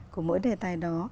của mỗi đề tài đó